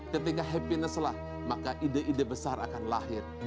ketika happiness lah maka ide ide besar akan lahir